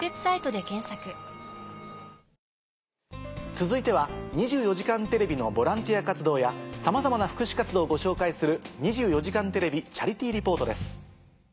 続いては『２４時間テレビ』のボランティア活動やさまざまな福祉活動をご紹介する。